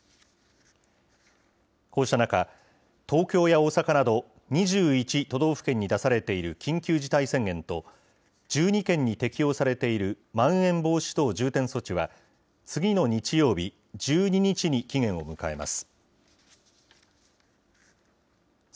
こうした中、東京や大阪など２１都道府県に出されている緊急事態宣言と、１２県に適用されているまん延防止等重点措置は、次の日曜日１２日に期限を迎えます。